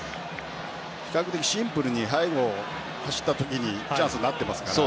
比較的シンプルに背後を走った時にチャンスになってますから。